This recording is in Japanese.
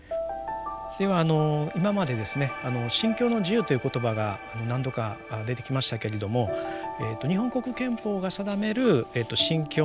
では今までですね「信教の自由」という言葉が何度か出てきましたけれども日本国憲法が定める「信教の自由」ということのですね